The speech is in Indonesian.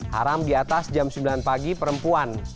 haram di atas jam sembilan pagi perempuan